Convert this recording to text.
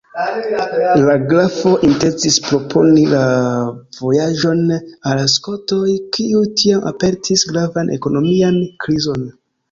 La grafo intencis proponi la vojaĝon al Skotoj, kiuj tiam spertis gravan ekonomian krizon.